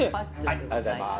ありがとうございます。